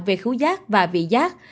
về khứu giác và vị giác